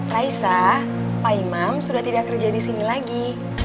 raisa pak imam sudah tidak kerja di sini lagi